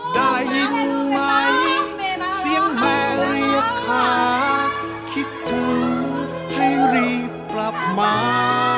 ได้ยินไหมเสียงแม่เรียกขาคิดถึงให้รีบกลับมา